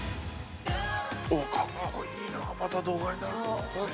◆格好いいな、また動画になると。